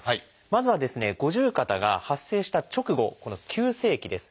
まずはですね五十肩が発生した直後この「急性期」です。